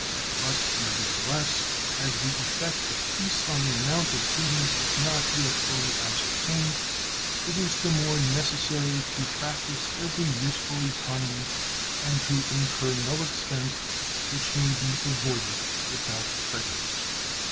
But nevertheless, as the effect of peace on the amount of duties is not yet fully ascertained, it is the more necessary to practice every useful economy and to incur no expense which may be avoided without prejudice.